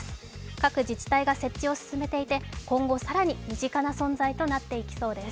各自治体が設置を進めていて、今後さらに身近な存在となっていきそうです。